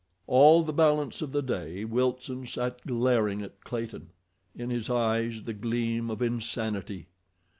All the balance of the day Wilson sat glaring at Clayton, in his eyes the gleam of insanity.